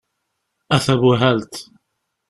A tabuhalt!